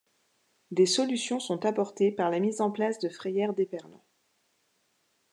Des solutions sont apportées par la mise en place de frayères d’éperlans.